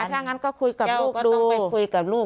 ถ้านั้นก็คุยกับลูกดู